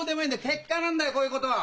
結果なんだよこういうことは！